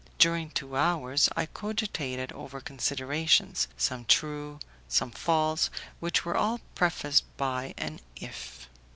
During two hours I cogitated over considerations, some true, some false, which were all prefaced by an if.